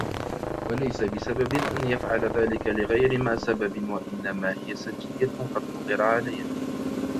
وَلَيْسَ بِسَبَبٍ أَنْ يَفْعَلَ ذَلِكَ لِغَيْرِ مَا سَبَبٍ وَإِنَّمَا هِيَ سَجِيَّةٌ قَدْ فُطِرَ عَلَيْهَا